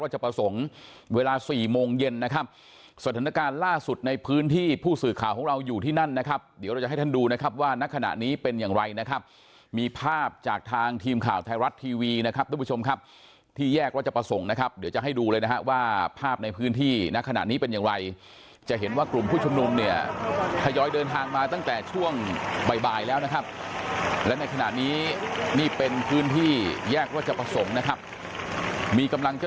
ให้ท่านดูนะครับว่านักขณะนี้เป็นอย่างไรนะครับมีภาพจากทางทีมข่าวไทยรัฐทีวีนะครับทุกผู้ชมครับที่แยกราชประสงค์นะครับเดี๋ยวจะให้ดูเลยนะครับว่าภาพในพื้นที่นักขณะนี้เป็นอย่างไรจะเห็นว่ากลุ่มผู้ชมนุมเนี่ยทยอยเดินทางมาตั้งแต่ช่วงบ่ายแล้วนะครับและในขณะนี้นี่เป็นพื้นที่แยกราชประสงค์